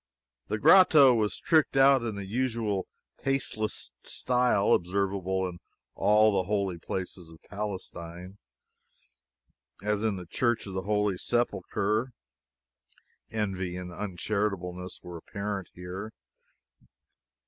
The grotto was tricked out in the usual tasteless style observable in all the holy places of Palestine. As in the Church of the Holy Sepulchre, envy and uncharitableness were apparent here.